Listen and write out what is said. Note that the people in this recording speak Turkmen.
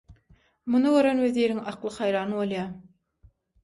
Muny gören weziriň akly haýran bolýar.